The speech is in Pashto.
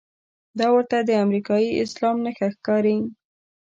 دا ورته د امریکايي اسلام نښه ښکاري.